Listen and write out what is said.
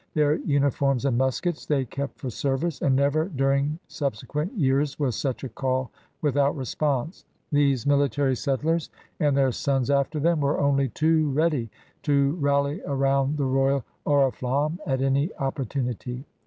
Their uniforms and muskets they kept for service, and never during subsequent years was such a call without response. These mil itary settlers and their sons after them were only too ready to rally around the royal oriflamme at any opportunity.